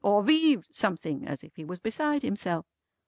or Vive Something! as if he was beside himself.